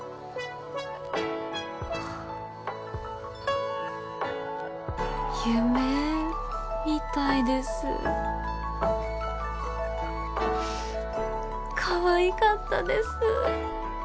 はぁ夢みたいですかわいかったです